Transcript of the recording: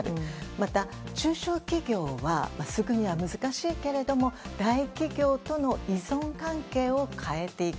また、中小企業はすぐには難しいけれども大企業との依存関係を変えていく。